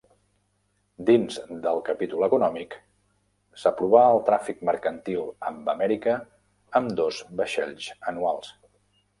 Dins del capítol econòmic, s'aprovà el tràfic mercantil amb Amèrica amb dos vaixells anuals.